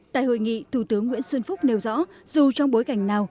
tại hội nghị thủ tướng nguyễn xuân phúc nêu rõ dù trong bối cảnh nào